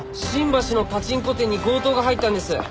新橋のパチンコ店に強盗が入ったんです。